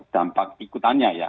dampak ikutannya ya